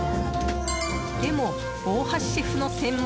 でも、大橋シェフの専門